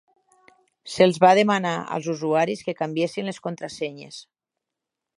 Se’ls va demanar als usuaris que canviessin les contrasenyes.